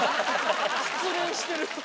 失恋してる。